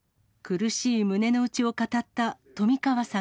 苦しい胸の内を語った冨川さ